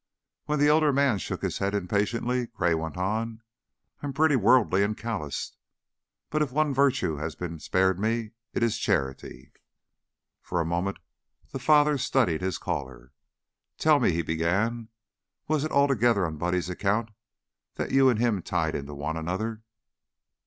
When the elder man shook his head impatiently Gray went on, "I'm pretty worldly and calloused, but if one virtue has been spared me, it is charity." For a moment the father studied his caller. "Tell me," he began, "was it altogether on Buddy's account that you an' him tied into one another?"